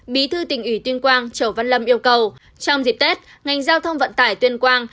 bí thư tỉnh ủy tuyên quang chầu văn lâm yêu cầu trong dịp tết ngành giao thông vận tải tuyên quang